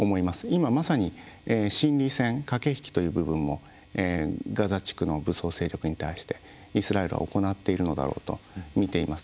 今まさに心理戦駆け引きという部分もガザ地区の武装勢力に対してイスラエルは行っているのだろうと見ています。